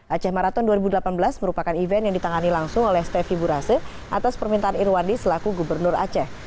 aceh marathon dua ribu delapan belas merupakan event yang ditangani langsung oleh stefi burase atas permintaan irwandi selaku gubernur aceh